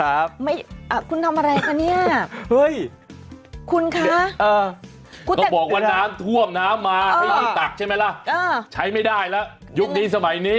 เอาไม่คุณทำอะไรกันเนี่ยกูบอกว่าถวมน้ำมาให้ทิ้งตักใช่ไหมละใช้ไม่ได้แล้วยุคนี้สมัยนี้